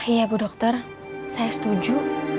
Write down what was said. iya ibu dokter saya setuju